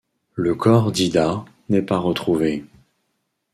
Le corps d’Ida n’est pas retrouvé.